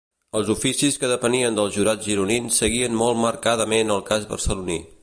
Els oficis que depenien dels Jurats gironins seguien molt marcadament el cas barceloní.